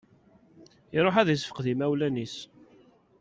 Iruḥ ad issefqed imawlan-is.